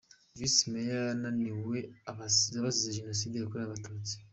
Vice Mayor yunamiye abazize Jenoside yakorewe Abatutsi.